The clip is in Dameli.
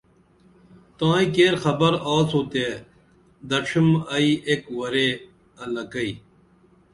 تائیں کیر خبر آڅو تے دڇِھم ائی ایک ورے الہ کئی